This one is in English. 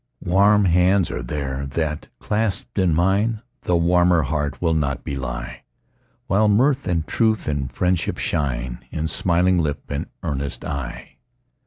Warm hands are there, that, clasped in mine, The warmer heart will not belie; While mirth, and truth, and friendship shine In smiling lip and earnest eye.